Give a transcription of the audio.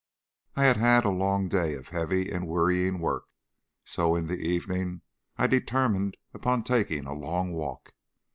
I had had a long day of heavy and wearying work, so that in the evening I determined upon taking a long walk.